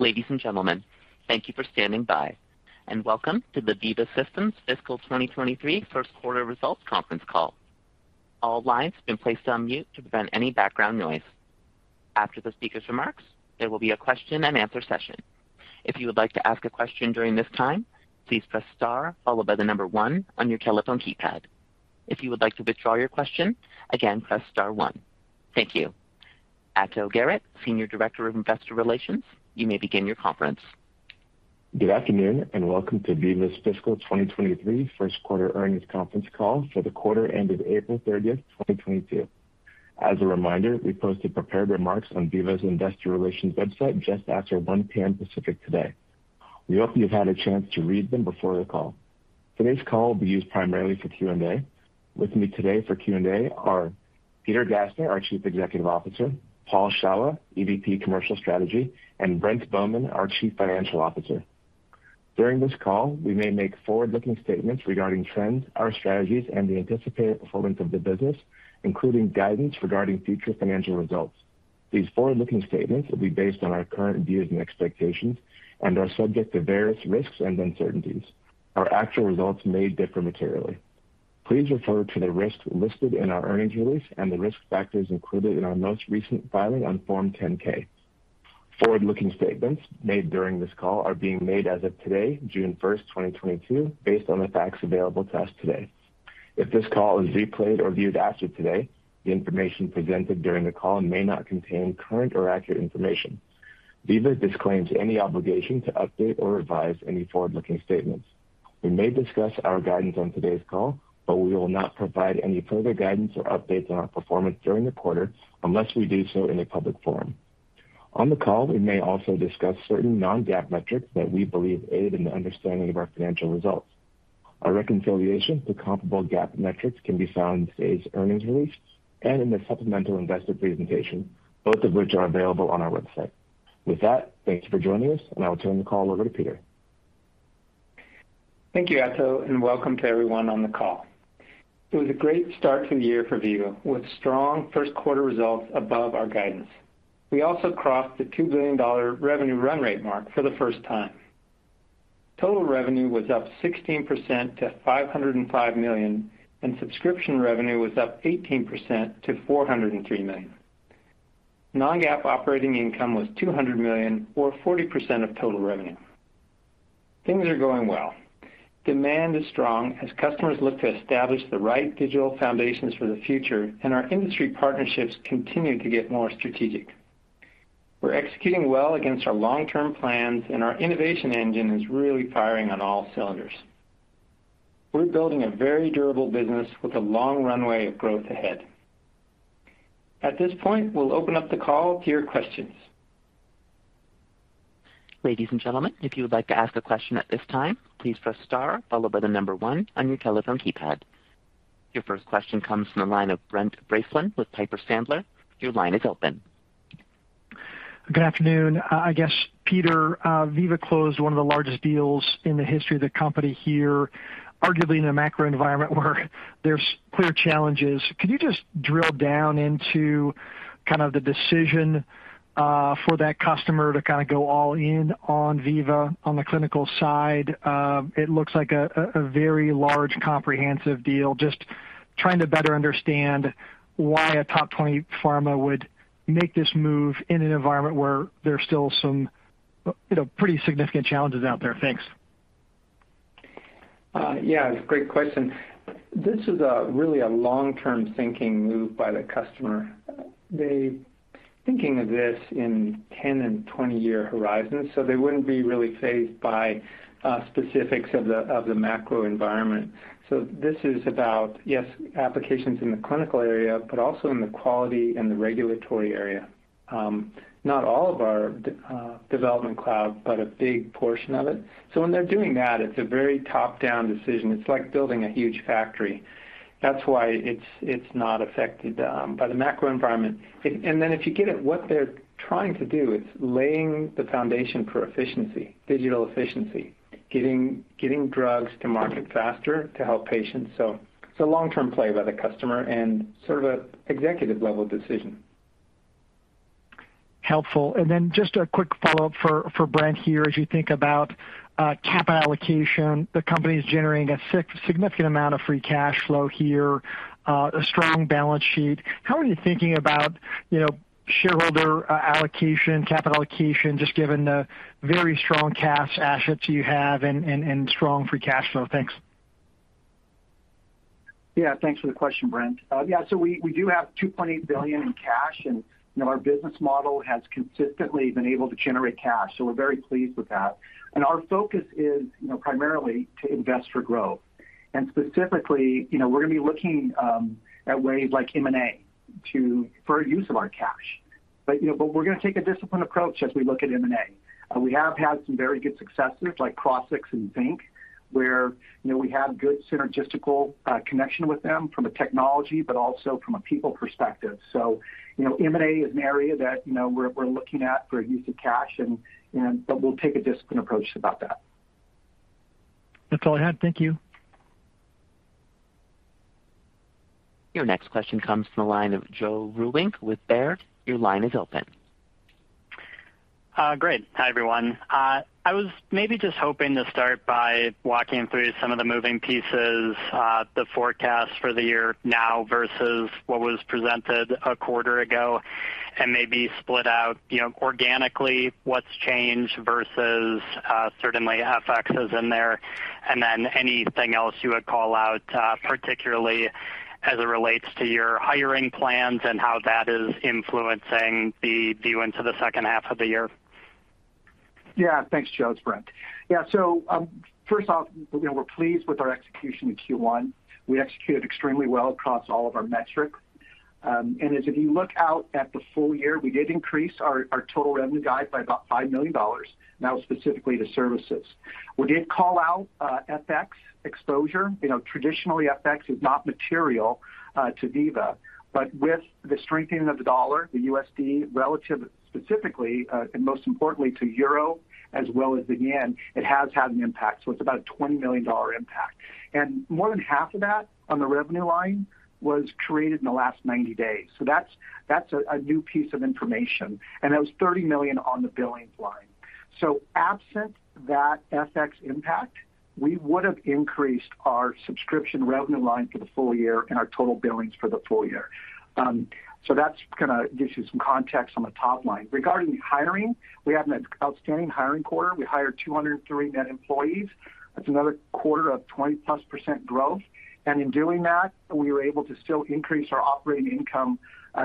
Ladies and gentlemen, thank you for standing by, and Welcome to the Veeva Systems Fiscal 2023 first quarter results conference call. All lines have been placed on mute to prevent any background noise. After the speaker's remarks, there will be a question-and-answer session. If you would like to ask a question during this time, please press star followed by the number one on your telephone keypad. If you would like to withdraw your question, again, press star one. Thank you. Ato Garrett, Senior Director of Investor Relations, you may begin your conference. Good afternoon, and welcome to Veeva's Fiscal 2023 First Quarter Earnings conference call for the quarter ended April 30th, 2022. As a reminder, we posted prepared remarks on Veeva's investor relations website just after 1 P.M. Pacific today. We hope you've had a chance to read them before the call. Today's call will be used primarily for Q&A. With me today for Q&A are Peter Gassner, our Chief Executive Officer, Paul Shawah, EVP Commercial Strategy, and Brent Bowman, our Chief Financial Officer. During this call, we may make forward-looking statements regarding trends, our strategies, and the anticipated performance of the business, including guidance regarding future financial results. These forward-looking statements will be based on our current views and expectations and are subject to various risks and uncertainties. Our actual results may differ materially. Please refer to the risks listed in our earnings release and the risk factors included in our most recent filing on Form 10-K. Forward-looking statements made during this call are being made as of today, June 1st, 2022, based on the facts available to us today. If this call is replayed or viewed after today, the information presented during the call may not contain current or accurate information. Veeva disclaims any obligation to update or revise any forward-looking statements. We may discuss our guidance on today's call, but we will not provide any further guidance or updates on our performance during the quarter unless we do so in a public forum. On the call, we may also discuss certain non-GAAP metrics that we believe aid in the understanding of our financial results. Our reconciliation to comparable GAAP metrics can be found in today's earnings release and in the supplemental investor presentation, both of which are available on our website. With that, thank you for joining us, and I will turn the call over to Peter. Thank you, Ato, and welcome to everyone on the call. It was a great start to the year for Veeva, with strong first quarter results above our guidance. We also crossed the $2 billion revenue run rate mark for the first time. Total revenue was up 16% to $505 million, and subscription revenue was up 18% to $403 million. Non-GAAP operating income was $200 million or 40% of total revenue. Things are going well. Demand is strong as customers look to establish the right digital foundations for the future, and our industry partnerships continue to get more strategic. We're executing well against our long-term plans, and our innovation engine is really firing on all cylinders. We're building a very durable business with a long runway of growth ahead. At this point, we'll open up the call to your questions. Ladies and gentlemen, if you would like to ask a question at this time, please press star followed by the number one on your telephone keypad. Your first question comes from the line of Brent Bracelin with Piper Sandler. Your line is open. Good afternoon. I guess, Peter, Veeva closed one of the largest deals in the history of the company here, arguably in a macro environment where there's clear challenges. Could you just drill down into kind of the decision for that customer to kind of go all in on Veeva on the clinical side? It looks like a very large comprehensive deal. Just trying to better understand why a top 20 pharma would make this move in an environment where there's still some you know, pretty significant challenges out there. Thanks. Yeah, great question. This is really a long-term thinking move by the customer. They're thinking of this in 10 and 20-year horizons, so they wouldn't be really fazed by specifics of the macro environment. This is about, yes, applications in the clinical area, but also in the quality and the regulatory area. Not all of our Development Cloud, but a big portion of it. When they're doing that, it's a very top-down decision. It's like building a huge factory. That's why it's not affected by the macro environment. Then if you get it, what they're trying to do is laying the foundation for efficiency, digital efficiency, getting drugs to market faster to help patients. It's a long-term play by the customer and sort of a executive level decision. Helpful. Just a quick follow-up for Brent here. As you think about capital allocation, the company's generating a significant amount of free cash flow here, a strong balance sheet. How are you thinking about, you know, shareholder allocation, capital allocation, just given the very strong cash assets you have and strong free cash flow? Thanks. Yeah. Thanks for the question, Brent. Yeah. So we do have $2.8 billion in cash, and, you know, our business model has consistently been able to generate cash. We're very pleased with that. Our focus is, you know, primarily to invest for growth. Specifically, you know, we're gonna be looking at ways like M&A for use of our cash. You know, we're gonna take a disciplined approach as we look at M&A. We have had some very good successes like Crossix and Zinc, where, you know, we have good synergistic connection with them from a technology but also from a people perspective. M&A is an area that, you know, we're looking at for use of cash, but we'll take a disciplined approach about that. That's all I had. Thank you. Your next question comes from the line of Joe Vruwink with Baird. Your line is open. Great. Hi, everyone. I was maybe just hoping to start by walking through some of the moving pieces, the forecast for the year now versus what was presented a quarter ago and maybe split out, you know, organically what's changed versus, certainly FXs in there, and then anything else you would call out, particularly as it relates to your hiring plans and how that is influencing the view into the second half of the year. Yeah. Thanks, Joe. It's Brent. Yeah. First off, you know, we're pleased with our execution in Q1. We executed extremely well across all of our metrics. If you look out at the full year, we did increase our total revenue guide by about $5 million, that was specifically to services. We did call out FX exposure. You know, traditionally, FX is not material to Veeva, but with the strengthening of the dollar, the USD relative specifically, and most importantly to euro as well as the yen, it has had an impact. It's about a $20 million impact. More than half of that on the revenue line was created in the last 90 days. That's a new piece of information, and that was $30 million on the billings line. Absent that FX impact, we would have increased our subscription revenue line for the full year and our total billings for the full year. That's going to give you some context on the top line. Regarding hiring, we had an outstanding hiring quarter. We hired 203 net employees. That's another quarter of +20% growth. In doing that, we were able to still increase our operating income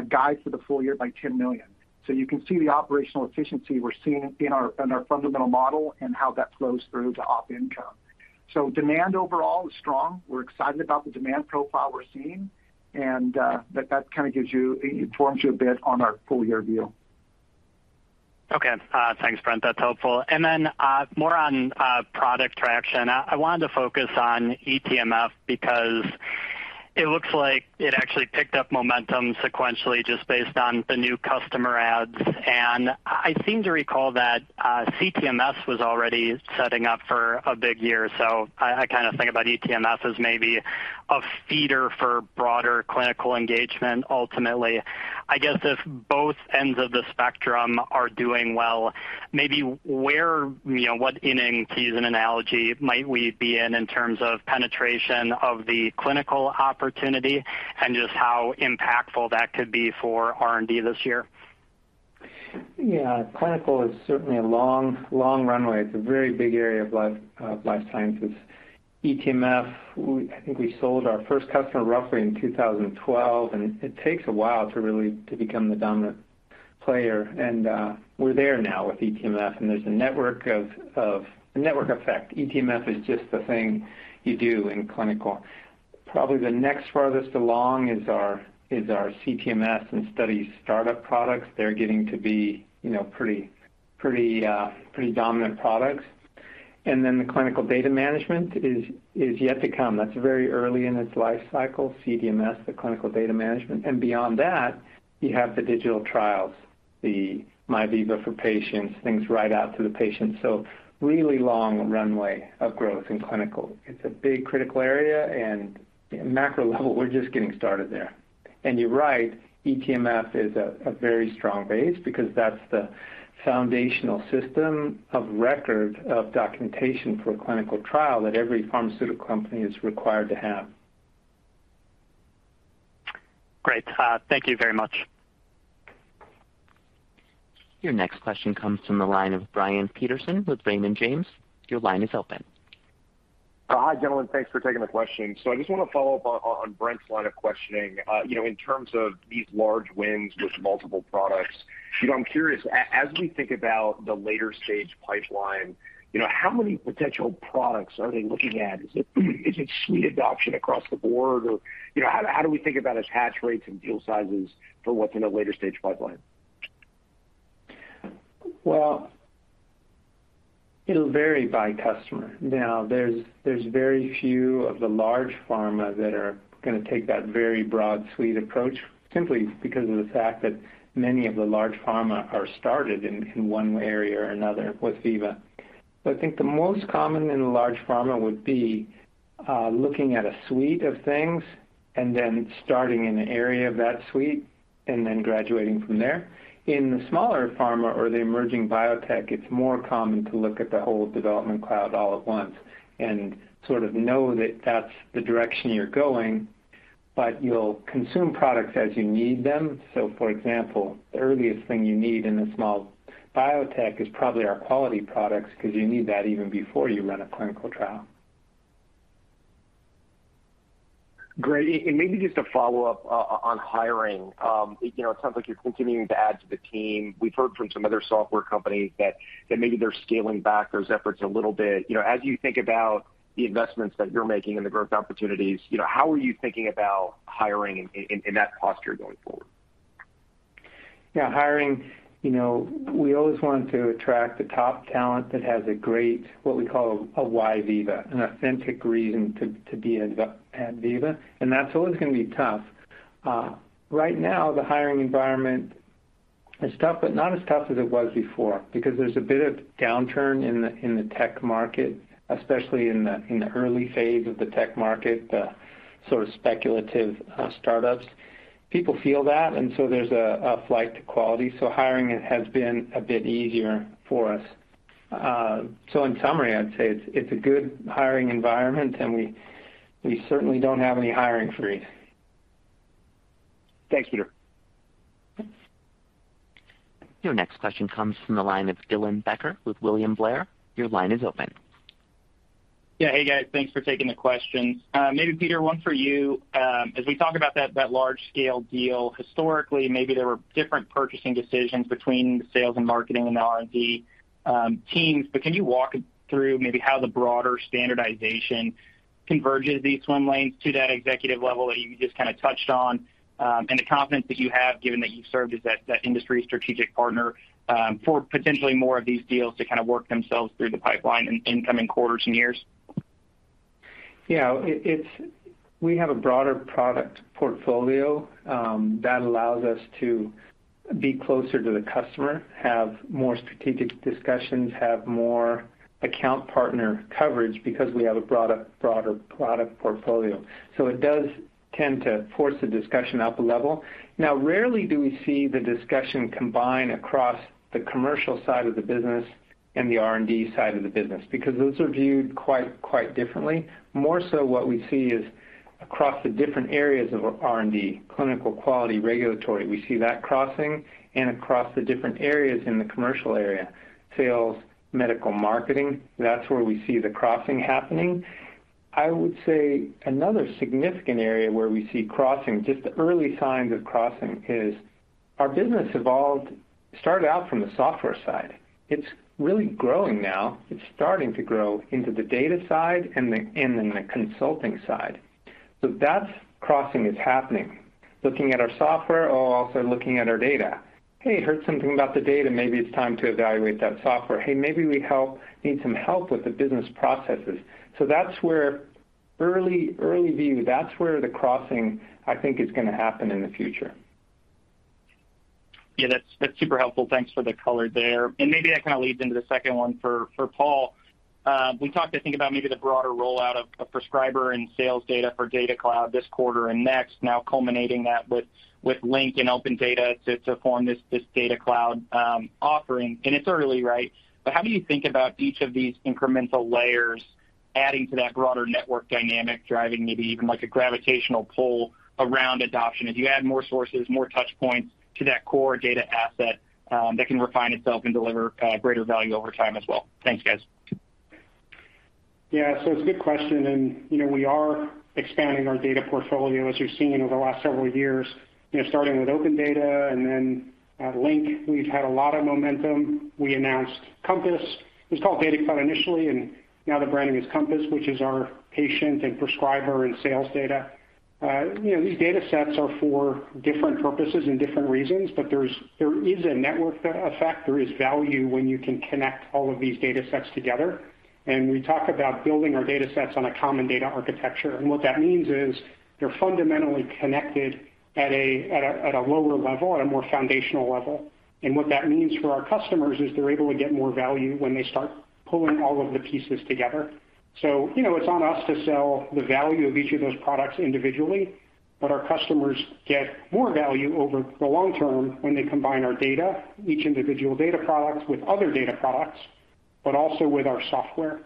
guide for the full year by $10 million. You can see the operational efficiency we're seeing in our fundamental model and how that flows through to op income. Demand overall is strong. We're excited about the demand profile we're seeing, and that kind of informs you a bit on our full year view. Okay. Thanks, Brent. That's helpful. More on product traction. I wanted to focus on eTMF because it looks like it actually picked up momentum sequentially just based on the new customer adds. I seem to recall that CTMS was already setting up for a big year. I kind of think about eTMF as maybe a feeder for broader clinical engagement ultimately. I guess if both ends of the spectrum are doing well, maybe where, you know, what inning, to use an analogy, might we be in terms of penetration of the clinical opportunity and just how impactful that could be for R&D this year? Yeah. Clinical is certainly a long runway. It's a very big area of life sciences. eTMF, I think we sold our first customer roughly in 2012, and it takes a while to become the dominant player. We're there now with eTMF, and there's a network effect. eTMF is just the thing you do in clinical. Probably the next farthest along is our CTMS and study startup products. They're getting to be, you know, pretty dominant products. Then the clinical data management is yet to come. That's very early in its life cycle, CDMS, the clinical data management. Beyond that, you have the digital trials, the MyVeeva for Patients, things right out to the patient. Really long runway of growth in clinical. It's a big critical area at macro level, we're just getting started there. You're right, eTMF is a very strong base because that's the foundational system of record of documentation for a clinical trial that every pharmaceutical company is required to have. Great. Thank you very much. Your next question comes from the line of Brian Peterson with Raymond James. Your line is open. Hi, gentlemen. Thanks for taking the question. I just want to follow up on Brent's line of questioning. You know, in terms of these large wins with multiple products, you know, I'm curious, as we think about the later stage pipeline, you know, how many potential products are they looking at? Is it suite adoption across the board? Or, you know, how do we think about attach rates and deal sizes for what's in the later stage pipeline? Well, it'll vary by customer. Now, there's very few of the large pharma that are going to take that very broad suite approach simply because of the fact that many of the large pharma are started in one area or another with Veeva. I think the most common in large pharma would be looking at a suite of things and then starting in an area of that suite and then graduating from there. In the smaller pharma or the emerging biotech, it's more common to look at the whole Development Cloud all at once and sort of know that that's the direction you're going, but you'll consume products as you need them. For example, the earliest thing you need in a small biotech is probably our quality products because you need that even before you run a clinical trial. Great. Maybe just a follow-up on hiring. You know, it sounds like you're continuing to add to the team. We've heard from some other software companies that maybe they're scaling back those efforts a little bit. You know, as you think about the investments that you're making and the growth opportunities, you know, how are you thinking about hiring in that posture going forward? Yeah, hiring, you know, we always want to attract the top talent that has a great, what we call a why Veeva, an authentic reason to be at Veeva, and that's always going to be tough. Right now, the hiring environment is tough, but not as tough as it was before because there's a bit of downturn in the tech market, especially in the early phase of the tech market, the sort of speculative startups. People feel that, and so there's a flight to quality, so hiring has been a bit easier for us. In summary, I'd say it's a good hiring environment, and we certainly don't have any hiring freeze. Thanks, Peter. Your next question comes from the line of Dylan Becker with William Blair. Your line is open. Yeah. Hey, guys. Thanks for taking the questions. Maybe Peter, one for you. As we talk about that large-scale deal, historically, maybe there were different purchasing decisions between the sales and marketing and R&D teams, but can you walk through maybe how the broader standardization converges these swim lanes to that executive level that you just kind of touched on, and the confidence that you have given that you served as that industry strategic partner, for potentially more of these deals to kind of work themselves through the pipeline in incoming quarters and years? Yeah. We have a broader product portfolio that allows us to be closer to the customer, have more strategic discussions, have more account partner coverage because we have a broader product portfolio. It does tend to force the discussion up a level. Now, rarely do we see the discussion combine across the commercial side of the business and the R&D side of the business because those are viewed quite differently. More so what we see is across the different areas of R&D, clinical quality, regulatory. We see that crossing and across the different areas in the commercial area, sales, medical marketing. That's where we see the crossing happening. I would say another significant area where we see crossing, just early signs of crossing is our business started out from the software side. It's really growing now. It's starting to grow into the data side and in the consulting side. That crossing is happening. Looking at our software or also looking at our data. "Hey, heard something about the data. Maybe it's time to evaluate that software. Hey, maybe we need some help with the business processes." That's where early view, that's where the crossing, I think, is going to happen in the future. Yeah, that's super helpful. Thanks for the color there. Maybe that kind of leads into the second one for Paul. We talked, I think, about maybe the broader rollout of a prescriber and sales data for Data Cloud this quarter and next, now culminating that with Link and OpenData to form this Data Cloud offering. It's early, right? How do you think about each of these incremental layers adding to that broader network dynamic, driving maybe even like a gravitational pull around adoption as you add more sources, more touch points to that core data asset, that can refine itself and deliver greater value over time as well? Thanks, guys. Yeah. It's a good question, and, you know, we are expanding our data portfolio, as you've seen over the last several years. You know, starting with OpenData and then, Link. We've had a lot of momentum. We announced Compass. It was called Data Cloud initially, and now the branding is Compass, which is our patient and prescriber and sales data. You know, these data sets are for different purposes and different reasons, but there is a network effect. There is value when you can connect all of these data sets together. We talk about building our data sets on a common data architecture, and what that means is they're fundamentally connected at a lower level, at a more foundational level. What that means for our customers is they're able to get more value when they start pulling all of the pieces together. You know, it's on us to sell the value of each of those products individually, but our customers get more value over the long term when they combine our data, each individual data products with other data products, but also with our software.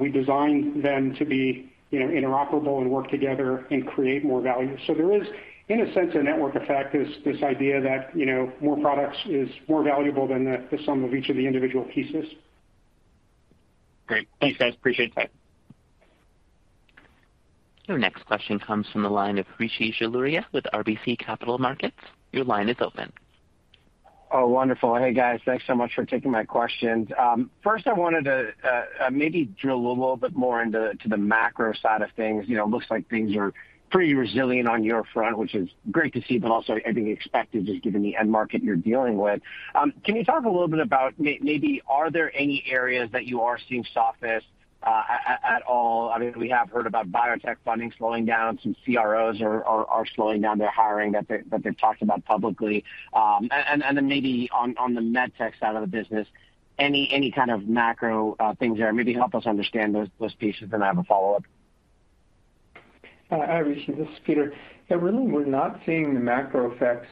We design them to be, you know, interoperable and work together and create more value. There is, in a sense, a network effect, this idea that, you know, more products is more valuable than the sum of each of the individual pieces. Great. Thanks, guys. Appreciate the time. Your next question comes from the line of Rishi Jaluria with RBC Capital Markets. Your line is open. Oh, wonderful. Hey, guys. Thanks so much for taking my questions. First, I wanted to maybe drill a little bit more into the macro side of things. You know, it looks like things are pretty resilient on your front, which is great to see, but also I think expected just given the end market you're dealing with. Can you talk a little bit about maybe are there any areas that you are seeing softness at all? I mean, we have heard about biotech funding slowing down. Some CROs are slowing down their hiring that they've talked about publicly. Then maybe on the med tech side of the business, any kind of macro things there. Maybe help us understand those pieces, then I have a follow-up. Hi, Rishi. This is Peter. Yeah, really, we're not seeing the macro effects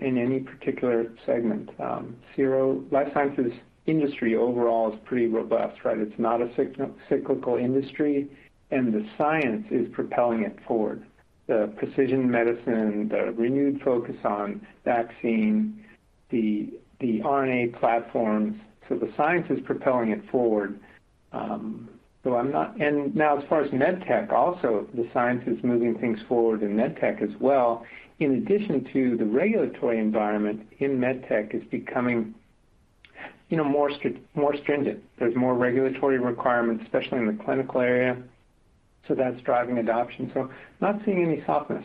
in any particular segment. CRO, life sciences industry overall is pretty robust, right? It's not a cyclical industry, and the science is propelling it forward. Precision medicine, renewed focus on vaccine, RNA platforms. Science is propelling it forward. As far as med tech also, science is moving things forward in med tech as well. In addition, regulatory environment in med tech is becoming, you know, more stringent. There's more regulatory requirements, especially in the clinical area. That's driving adoption. Not seeing any softness.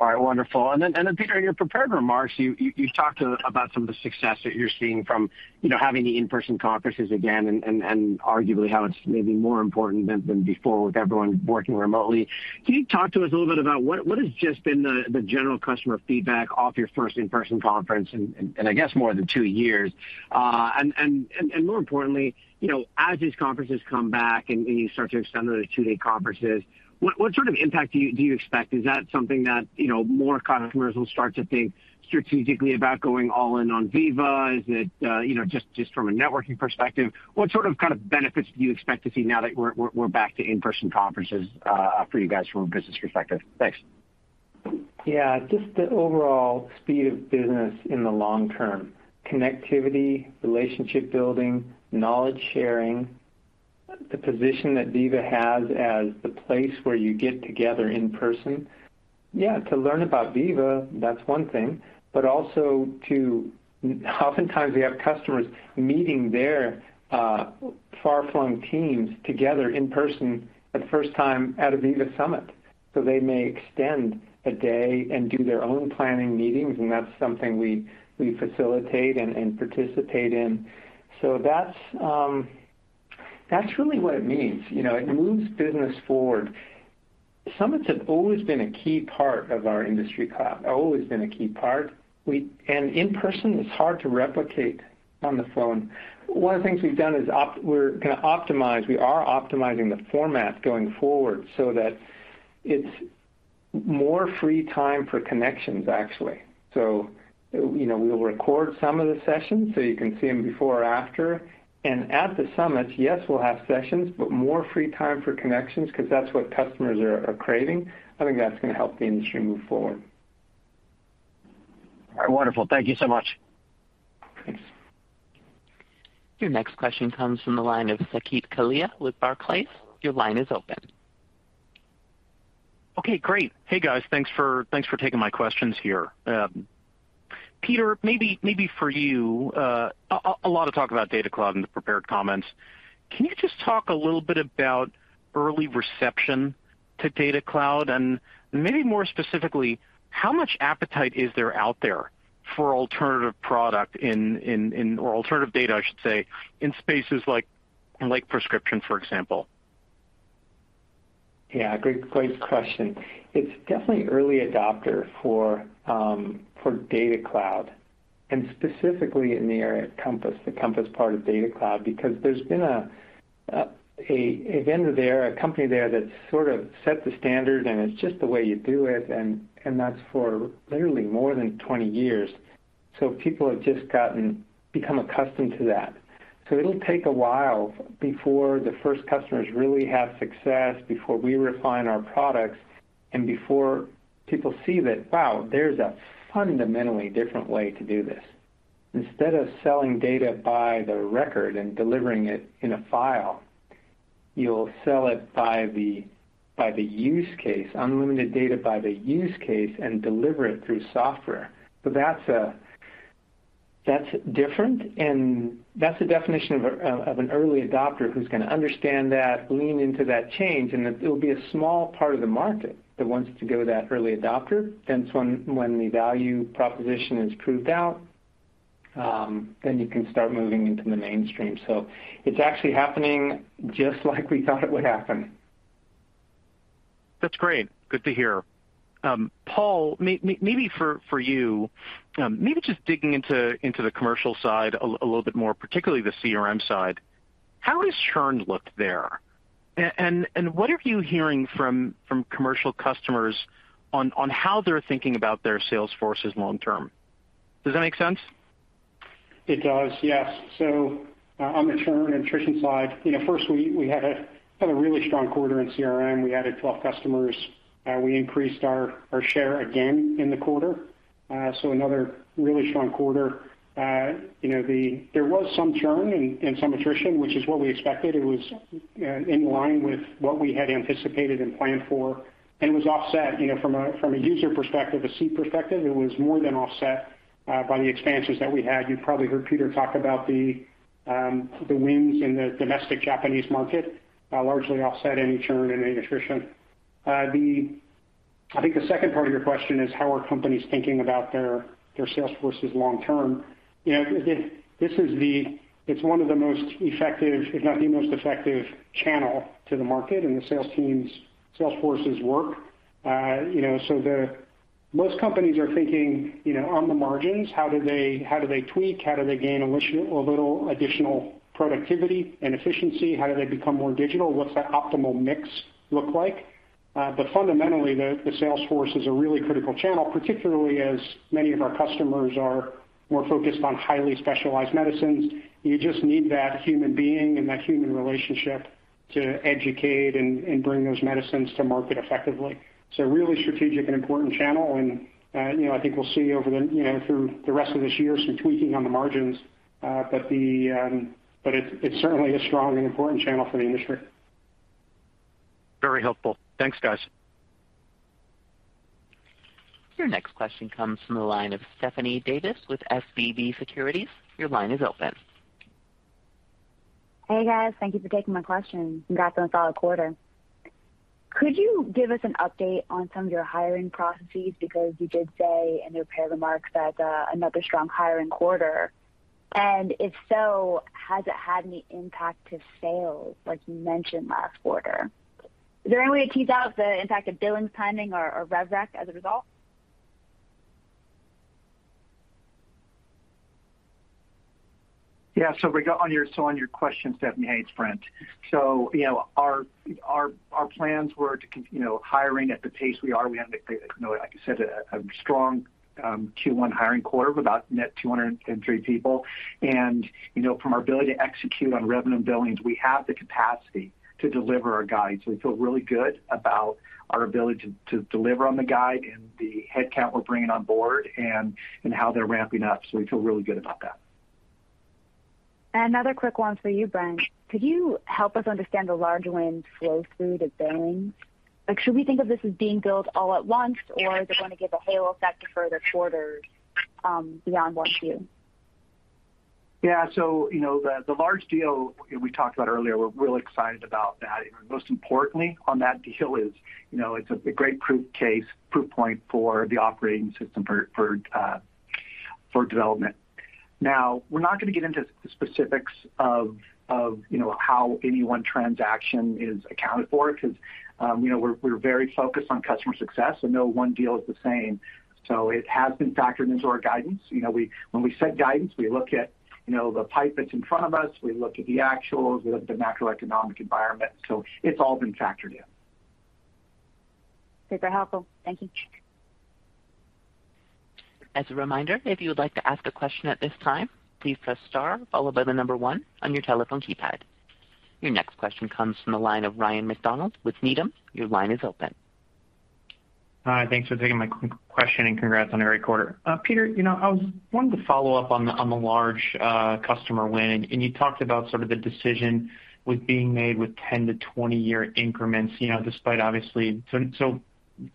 All right, wonderful. Peter, in your prepared remarks, you talked about some of the success that you're seeing from, you know, having the in-person conferences again and arguably how it's maybe more important than before with everyone working remotely. Can you talk to us a little bit about what has just been the general customer feedback of your first in-person conference in I guess more than two years? And more importantly, you know, as these conferences come back and you start to extend those two-day conferences, what sort of impact do you expect? Is that something that, you know, more customers will start to think strategically about going all in on Veeva? Is it, you know, just from a networking perspective, what sort of kind of benefits do you expect to see now that we're back to in-person conferences, for you guys from a business perspective? Thanks. Yeah. Just the overall speed of business in the long term. Connectivity, relationship building, knowledge sharing, the position that Veeva has as the place where you get together in person. Yeah, to learn about Veeva, that's one thing. Also to oftentimes we have customers meeting their far-flung teams together in person at the first time at a Veeva summit. They may extend a day and do their own planning meetings, and that's something we facilitate and participate in. That's really what it means. You know, it moves business forward. Summits have always been a key part of our industry cloud, always been a key part. In person, it's hard to replicate on the phone. One of the things we've done is we are optimizing the format going forward so that it's more free time for connections, actually. You know, we'll record some of the sessions, so you can see them before or after. At the summits, yes, we'll have sessions, but more free time for connections cause that's what customers are craving. I think that's going to help the industry move forward. All right. Wonderful. Thank you so much. Thanks. Your next question comes from the line of Saket Kalia with Barclays. Your line is open. Okay, great. Hey, guys. Thanks for taking my questions here. Peter, maybe for you, a lot of talk about Data Cloud in the prepared comments. Can you just talk a little bit about early reception to Data Cloud? Maybe more specifically, how much appetite is there out there for alternative product in or alternative data, I should say, in spaces like prescription, for example? Yeah. Great question. It's definitely early adopter for Data Cloud, and specifically in the area of Compass, the Compass part of Data Cloud, because there's been a vendor there, a company there that sort of set the standard, and it's just the way you do it, and that's for literally more than 20 years. People have just become accustomed to that. It'll take a while before the first customers really have success, before we refine our products, and before people see that, wow, there's a fundamentally different way to do this. Instead of selling data by the record and delivering it in a file, you'll sell it by the use case, unlimited data by the use case, and deliver it through software. That's different, and that's the definition of an early adopter who's gonna understand that, lean into that change, and it'll be a small part of the market that wants to go that early adopter. It's when the value proposition is proved out, then you can start moving into the mainstream. It's actually happening just like we thought it would happen. That's great. Good to hear. Paul, maybe for you, maybe just digging into the commercial side a little bit more, particularly the CRM side, how has churn looked there? What are you hearing from commercial customers on how they're thinking about their sales forces long term? Does that make sense? It does, yes. On the churn and attrition side, you know, first, we had a really strong quarter in CRM. We added 12 customers. We increased our share again in the quarter. So another really strong quarter. You know, there was some churn and some attrition, which is what we expected. It was in line with what we had anticipated and planned for, and was offset. You know, from a user perspective, a seat perspective, it was more than offset by the expansions that we had. You probably heard Peter talk about the wins in the domestic Japanese market, largely offset any churn and any attrition. I think the second part of your question is, how are companies thinking about their sales forces long term? You know, again, it's one of the most effective, if not the most effective channel to the market, and the sales teams, sales forces work. You know, so the most companies are thinking, you know, on the margins, how do they tweak, how do they gain a little additional productivity and efficiency? How do they become more digital? What's that optimal mix look like? But fundamentally, the sales force is a really critical channel, particularly as many of our customers are more focused on highly specialized medicines. You just need that human being and that human relationship to educate and bring those medicines to market effectively. A really strategic and important channel, and you know, I think we'll see over the you know through the rest of this year some tweaking on the margins, but it's certainly a strong and important channel for the industry. Very helpful. Thanks, guys. Your next question comes from the line of Stephanie Davis with SVB Securities. Your line is open. Hey guys, thank you for taking my question. Congrats on a solid quarter. Could you give us an update on some of your hiring processes? Because you did say in your prepared remarks that another strong hiring quarter. If so, has it had any impact to sales like you mentioned last quarter? Is there any way to tease out the impact of billings timing or rev rec as a result? On your question, Stephanie, hey, it's Brent. You know, our plans were hiring at the pace we are. We had, you know, like I said, a strong Q1 hiring quarter of about net 203 people. From our ability to execute on revenue and billings, we have the capacity to deliver our guidance. We feel really good about our ability to deliver on the guidance and the headcount we're bringing on board and how they're ramping up. We feel really good about that. Another quick one for you, Brent. Could you help us understand the large win flow through to billings? Like, should we think of this as being billed all at once, or is it going to give a halo effect to further quarters, beyond Q? Yeah. You know, the large deal we talked about earlier, we're real excited about that. Most importantly on that deal is, you know, it's a great proof point for the operating system for development. Now, we're not going to get into specifics of, you know, how any one transaction is accounted for because, you know, we're very focused on customer success and no one deal is the same. It has been factored into our guidance. You know, when we set guidance, we look at, you know, the pipe that's in front of us, we look at the actuals, we look at the macroeconomic environment. It's all been factored in. Super helpful. Thank you. As a reminder, if you would like to ask a question at this time, please press star followed by the number one on your telephone keypad. Your next question comes from the line of Ryan MacDonald with Needham. Your line is open. Hi, thanks for taking my question, and congrats on a great quarter. Peter, you know, I wanted to follow up on the large customer win, and you talked about sort of the decision being made with 10-20-year increments, you know, despite obviously.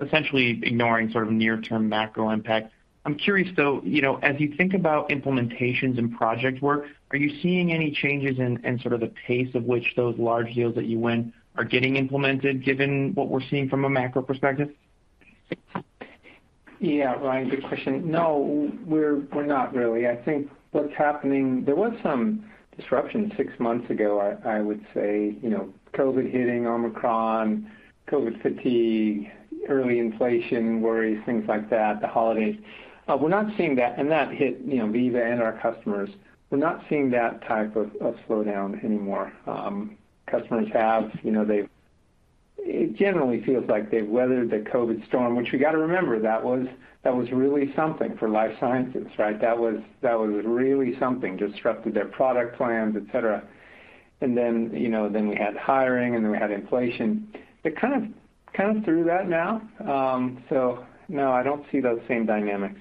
Essentially ignoring sort of near-term macro impact. I'm curious though, you know, as you think about implementations and project work, are you seeing any changes in sort of the pace of which those large deals that you win are getting implemented given what we're seeing from a macro perspective? Yeah. Ryan, good question. No, we're not really. I think what's happening. There was some disruption six months ago, I would say. You know, COVID hitting, Omicron, COVID fatigue, early inflation worries, things like that, the holidays. We're not seeing that. That hit, you know, Veeva and our customers. We're not seeing that type of slowdown anymore. Customers have, you know, they've. It generally feels like they've weathered the COVID storm, which we got to remember that was really something for life sciences, right? That was really something, disrupted their product plans, et cetera. You know, we had hiring, and we had inflation. They're kind of through that now. No, I don't see those same dynamics.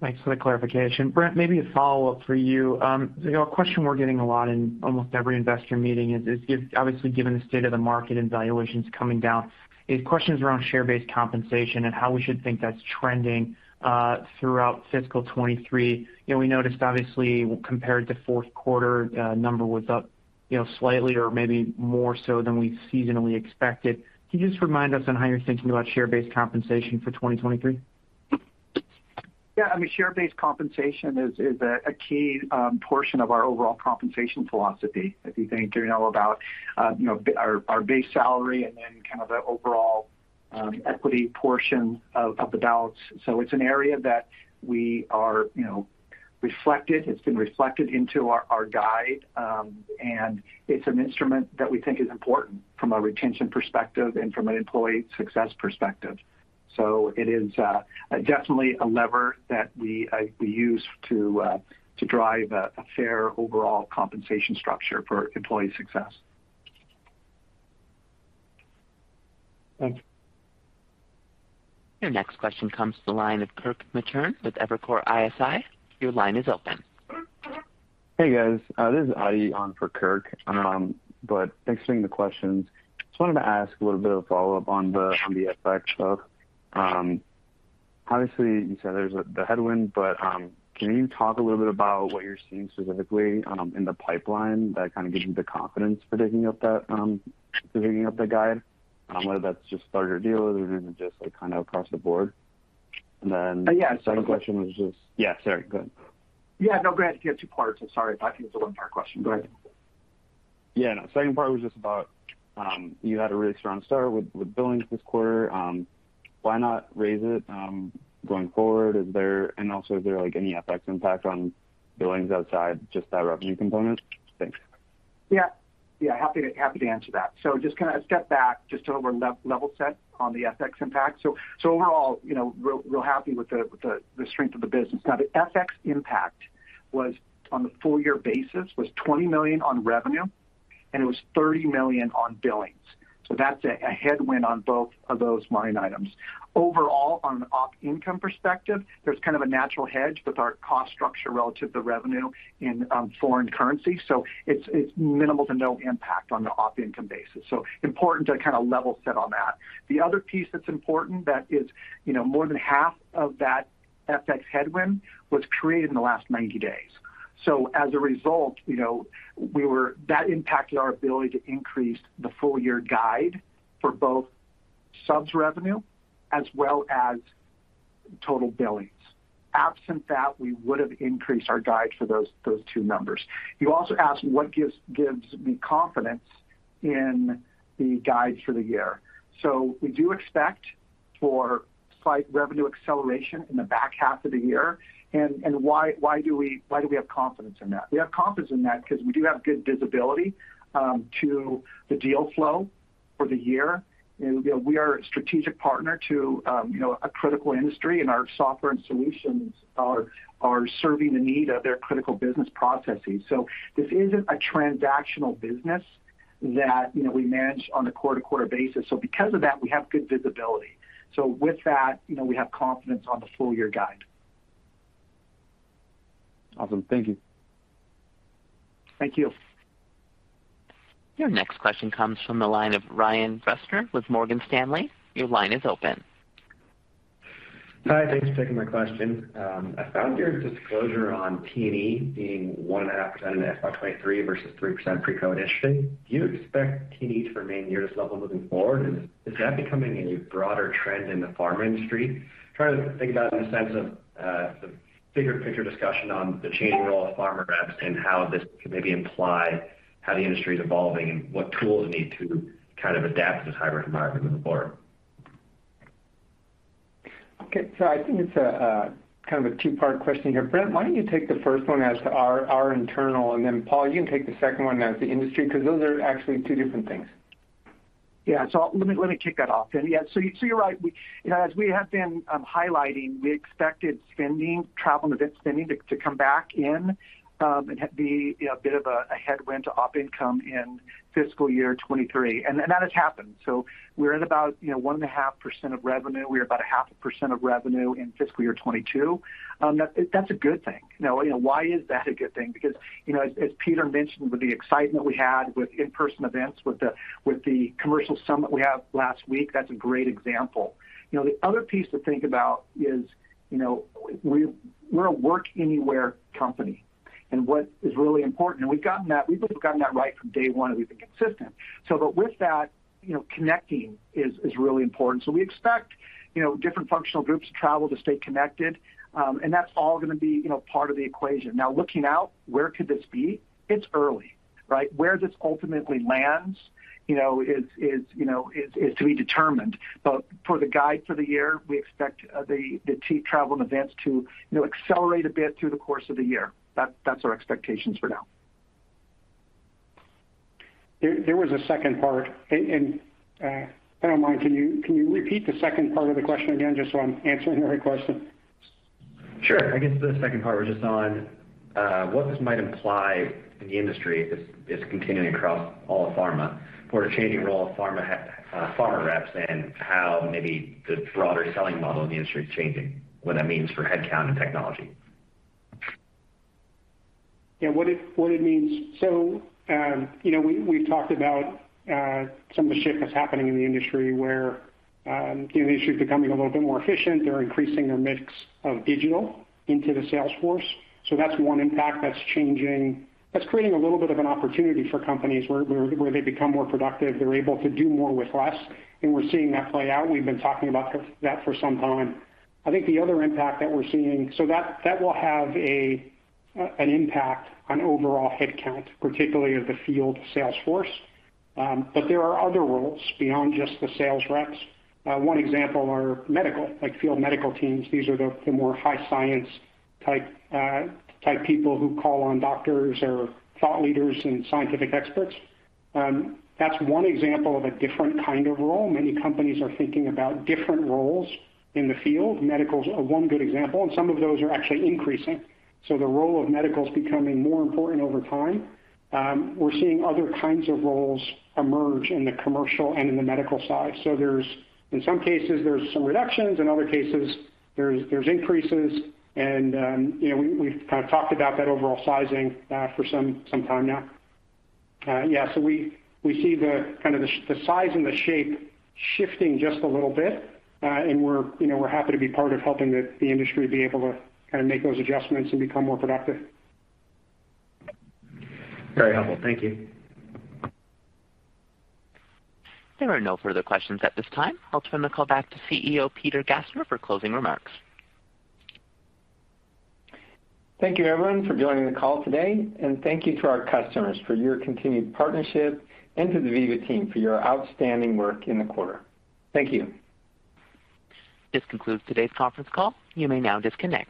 Thanks for the clarification. Brent, maybe a follow-up for you. You know, a question we're getting a lot in almost every investor meeting is if obviously given the state of the market and valuations coming down, is questions around share-based compensation and how we should think that's trending throughout fiscal 2023. You know, we noticed obviously compared to fourth quarter number was up, you know, slightly or maybe more so than we seasonally expected. Can you just remind us on how you're thinking about share-based compensation for 2023? Yeah. I mean, share-based compensation is a key portion of our overall compensation philosophy. If you think, you know, about our base salary and then kind of the overall equity portion of the dollars. It's an area that is reflected. It's been reflected into our guidance, and it's an instrument that we think is important from a retention perspective and from an employee success perspective. It is definitely a lever that we use to drive a fair overall compensation structure for employee success. Thank you. Your next question comes to the line of Kirk Materne with Evercore ISI. Your line is open. Hey, guys. This is Adi on for Kirk. But thanks for taking the questions. Just wanted to ask a little bit of a follow-up on the FX stuff. Obviously, you said there's the headwind, but can you talk a little bit about what you're seeing specifically in the pipeline that kind of gives you the confidence for taking up the guide? Whether that's just starter deals or is it just like kind of across the board. Yeah. The second question was just. Yeah, sorry. Go ahead. Yeah, no, go ahead. You had two parts. I'm sorry. I thought you had one more question. Go ahead. Yeah, no. Second part was just about you had a really strong start with billings this quarter. Why not raise it going forward? Is there, and also, is there like any FX impact on billings outside just that revenue component? Thanks. Yeah. Yeah, happy to answer that. Just kind of a step back just to level set on the FX impact. Overall, you know, real happy with the strength of the business. Now, the FX impact was on the full year basis, was $20 million on revenue, and it was $30 million on billings. That's a headwind on both of those line items. Overall, on an op income perspective, there's kind of a natural hedge with our cost structure relative to revenue in foreign currency. It's minimal to no impact on the op income basis. Important to kind of level set on that. The other piece that's important, you know, more than half of that FX headwind was created in the last 90 days. As a result, you know, that impacted our ability to increase the full-year guide for both subs revenue as well as total billings. Absent that, we would have increased our guide for those two numbers. You also asked what gives me confidence in the guides for the year. We do expect for slight revenue acceleration in the back half of the year. Why do we have confidence in that? We have confidence in that because we do have good visibility to the deal flow for the year. You know, we are a strategic partner to a critical industry, and our software and solutions are serving the need of their critical business processes. This isn't a transactional business that, you know, we manage on a quarter-to-quarter basis. Because of that, we have good visibility. With that, you know, we have confidence on the full-year guide. Awesome. Thank you. Thank you. Your next question comes from the line of Ryan Bressner with Morgan Stanley. Your line is open. Hi, thanks for taking my question. I found your disclosure on T&E being 1.5% in FY 2023 versus 3% pre-COVID interesting. Do you expect T&E to remain near this level looking forward? Is that becoming a broader trend in the pharma industry? Trying to think about it in the sense of the bigger picture discussion on the changing role of pharma reps and how this could maybe imply how the industry is evolving and what tools are needed to kind of adapt to this hybrid environment moving forward. Okay. I think it's a kind of a two-part question here. Brent, why don't you take the first one as to our internal, and then Paul, you can take the second one as the industry, because those are actually two different things. Let me kick that off, then. You're right. You know, as we have been highlighting, we expected spending, travel and event spending to come back in and be a bit of a headwind to op income in fiscal year 2023. That has happened. We're at about 1.5% of revenue. We're about 0.5% of revenue in fiscal year 2022. That's a good thing. Why is that a good thing? Because as Peter mentioned, with the excitement we had with in-person events, with the commercial summit we had last week, that's a great example. The other piece to think about is we're a work anywhere company. What is really important, and we've gotten that, we believe we've gotten that right from day one, and we've been consistent. With that, you know, connecting is really important. We expect, you know, different functional groups to travel, to stay connected, and that's all going to be, you know, part of the equation. Now, looking out, where could this be? It's early, right? Where this ultimately lands, you know, is to be determined. For the guide for the year, we expect the travel and events to, you know, accelerate a bit through the course of the year. That's our expectations for now. There was a second part. If I don't mind, can you repeat the second part of the question again, just so I'm answering the right question? Sure. I guess the second part was just on what this might imply in the industry if this is continuing across all of pharma for a changing role of pharma reps, and how maybe the broader selling model in the industry is changing, what that means for headcount and technology. Yeah. What it means. You know, we've talked about some of the shift that's happening in the industry where you know, the industry is becoming a little bit more efficient. They're increasing their mix of digital into the sales force. That's one impact that's changing. That's creating a little bit of an opportunity for companies where they become more productive. They're able to do more with less, and we're seeing that play out. We've been talking about that for some time. I think the other impact that we're seeing. That will have an impact on overall headcount, particularly of the field sales force. But there are other roles beyond just the sales reps. One example are medical, like field medical teams. These are the more high science type people who call on doctors or thought leaders and scientific experts. That's one example of a different kind of role. Many companies are thinking about different roles in the field. Medicals are one good example, and some of those are actually increasing. The role of medical is becoming more important over time. We're seeing other kinds of roles emerge in the commercial and in the medical side. There's in some cases some reductions. In other cases, there's increases. You know, we've kind of talked about that overall sizing for some time now. We see kind of the size and the shape shifting just a little bit. You know, we're happy to be part of helping the industry be able to kind of make those adjustments and become more productive. Very helpful. Thank you. There are no further questions at this time. I'll turn the call back to CEO Peter Gassner for closing remarks. Thank you everyone for joining the call today, and thank you to our customers for your continued partnership and to the Veeva team for your outstanding work in the quarter. Thank you. This concludes today's conference call. You may now disconnect.